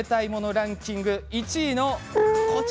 ランキング１位の。